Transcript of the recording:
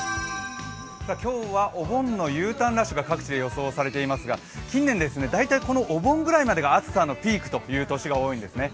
今日はお盆のＵターンラッシュが各地で予想されていますが近年、大体、このお盆ぐらいまでが暑さのピークという年が多いんですね。